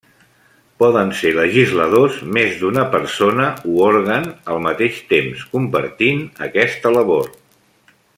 Poden ser legisladors més d'una persona o òrgan al mateix temps, compartint aquesta labor.